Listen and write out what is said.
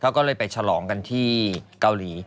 เขาก็เลยไปฉลองกันที่เกาหลี